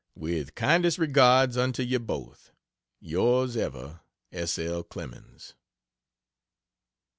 With kindest regards unto ye both. Yrs ever, S. L. CLEMENS.